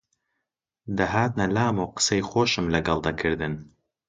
دەهاتنە لام و قسەی خۆشم لەگەڵ دەکردن